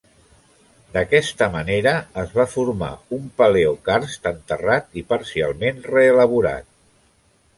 D'aquesta manera es va formar un paleocarst enterrat i parcialment reelaborat.